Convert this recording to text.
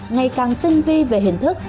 ngày càng tinh vi về hình thức